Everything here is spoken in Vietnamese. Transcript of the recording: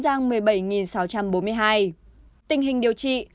tình hình điều trị